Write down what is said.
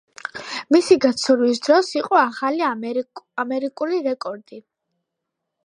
მისი გაცურვის დრო იყო ახალი ამერიკული რეკორდი.